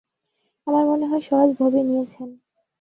আমার মনে হয় সহজভাবেই নিয়েছেন।